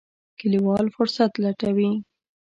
کلیوال فرصت لټوي.